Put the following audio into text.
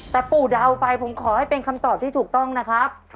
แต่ปู่เดาไปผมขอให้เป็นคำตอบที่ถูกต้องนะครับ